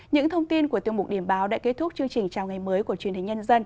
những thông tin của tiêu mục điểm báo đã kết thúc chương trình chào ngày mới của truyền hình nhân dân